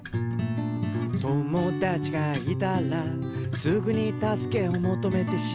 「友だちがいたらすぐにたすけをもとめてしまう」